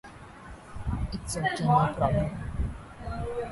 The film led to Kartheiser getting the lead role in "Masterminds" the following year.